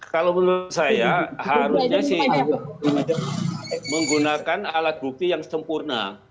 kalau menurut saya harusnya sih menggunakan alat bukti yang sempurna